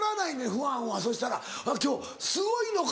ファンはそしたら今日すごいのか。